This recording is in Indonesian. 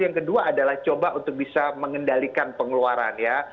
yang kedua adalah coba untuk bisa mengendalikan pengeluaran ya